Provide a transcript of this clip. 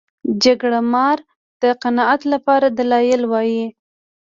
جرګه مار د قناعت لپاره دلایل وايي